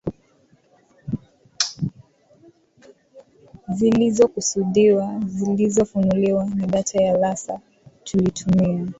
zilizokusudiwa zilizofunuliwa na data ya laser Tulitumia